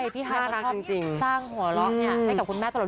พี่ฮายมาชอบสร้างหัวเราะให้กับคุณแม่ตลอด